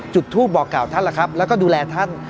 จุดทูปบอกกล่าวท่านล่ะครับแล้วก็ดูแลท่าน